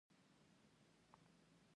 وروسته امام صاحب راته قدوري وويل.